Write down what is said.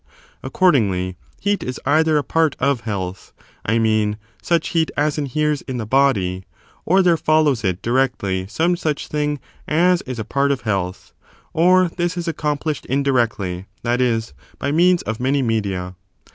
Accordingly, heat is either a part of health, (I mean, such heat as inheres in the body,) or there follows it directly some such thing as is a part of health, or this is accomplished indirectly, that is, by means of many media.